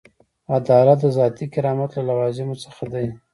عدالت د ذاتي کرامت له لوازمو څخه دی.